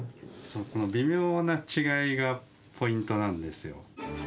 この微妙な違いがポイントなんですよ。